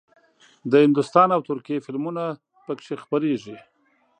د هندوستان او ترکیې فلمونه پکې خپرېږي.